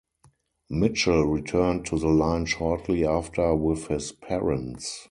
Mitchell returned to the line shortly after with his parents.